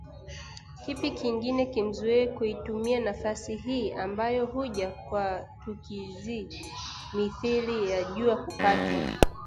kipi kingine kimzuie kuitumia nafasi hii ambayo huja kwa tukiizi mithili jua kupatwa